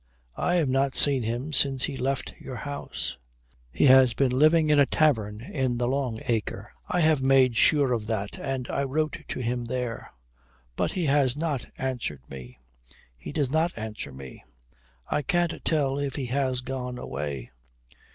"I have not seen him since he left your house." "He has been living at a tavern in the Long Acre. I have made sure of that, and I wrote to him there. But he has not answered me. He does not answer me. I can't tell if he has gone away."